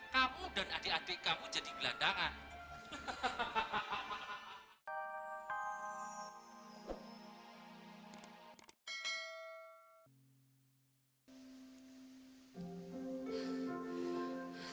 kamu dan adik adik kamu jadi gelandangan